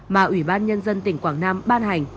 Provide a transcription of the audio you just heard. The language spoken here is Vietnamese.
mà ủy ban nhân dân tỉnh quảng nam ban hành